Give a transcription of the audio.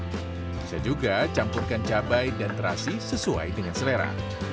bisa juga campurkan cabai dan terasi sesuai dengan selera